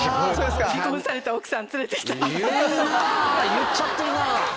言っちゃってるな！